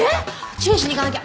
注意しに行かなきゃ。